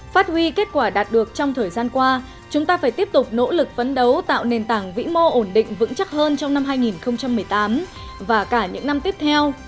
phát huy kết quả đạt được trong thời gian qua chúng ta phải tiếp tục nỗ lực vấn đấu tạo nền tảng vĩ mô ổn định vững chắc hơn trong năm hai nghìn một mươi tám và cả những năm tiếp theo